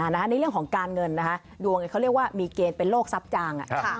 ในเรื่องของการเงินนะคะดวงเขาเรียกว่ามีเกณฑ์เป็นโรคซับจาง